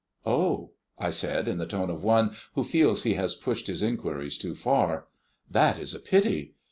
"Oh!" I said, in the tone of one who feels he has pushed his inquiries too far. "That is a pity.